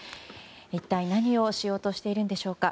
一体、何をしようとしているんでしょうか。